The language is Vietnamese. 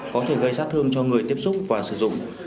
có thể gây sát thương cho người tiếp xúc và sử dụng